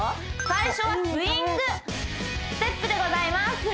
最初はスウィングステップでございます